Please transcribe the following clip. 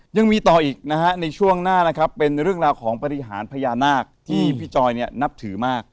ยังมีต่ออีกนะฮะในช่วงหน้านะครับเป็นเรื่องราวของปฏิหารพญานาคที่พี่จอยเนี่ยนับถือมาก